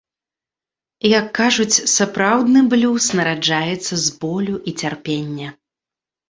Як кажуць, сапраўдны блюз нараджаецца з болю і цярпення.